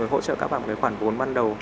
và hỗ trợ các bạn với khoảng bốn ban đầu